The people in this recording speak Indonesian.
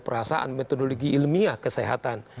perasaan metodologi ilmiah kesehatan